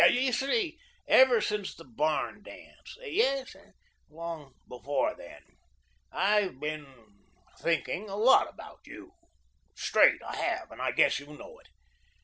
You see, ever since the barn dance yes, and long before then I've been thinking a lot about you. Straight, I have, and I guess you know it.